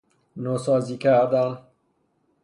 نوسازی کردن